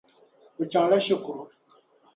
O chaŋ la shikuru.